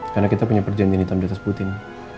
karena kita punya perjanjian hitam di atas putih